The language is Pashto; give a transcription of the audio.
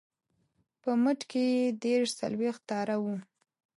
په مټ کې یې دېرش څلویښت تاره وه.